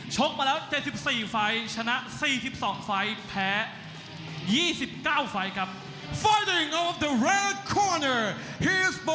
ชกมาแล้ว๗๔ไฟชนะ๔๒ไฟแพ้๒๙ไฟครับ